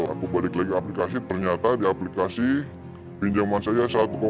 aku balik lagi ke aplikasi ternyata di aplikasi pinjaman saya